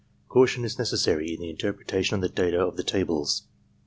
Caution is necessary in the interpretation of the data of the tables.